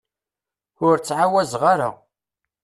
Ur ttɛawazeɣ ara.